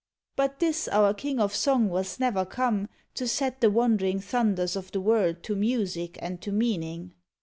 But this our King of Song was never come To set the wandering thunders of the world To music and to meaning.